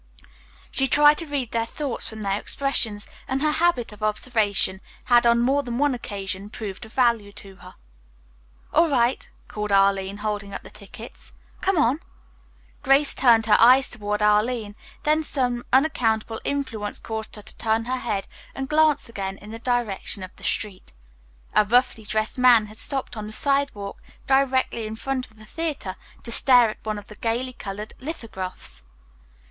She tried to read their thoughts from their expressions, and her habit of observation had on more than one occasion proved of value to her. "All right," called Arline, holding up the tickets. "Come on." Grace turned her eyes toward Arline, then some unaccountable influence caused her to turn her head and glance again in the direction of the street. A roughly dressed man had stopped on the sidewalk directly in front of the theatre to stare at one of the gayly colored lithographs.